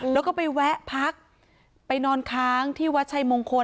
แล้วก็ไปแวะพักไปนอนค้างที่วัดชัยมงคล